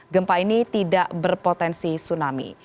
gempa ini tidak berpotensi tsunami